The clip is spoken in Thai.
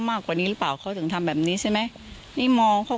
มากกว่านี้หรือเปล่าเขาถึงทำแบบนี้ใช่ไหมนี่มองเขา